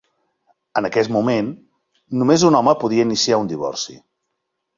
En aquest moment només un home podia iniciar un divorci.